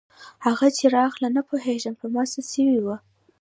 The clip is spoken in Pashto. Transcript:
هغه چې راغله نه پوهېږم پر ما څه سوي وو.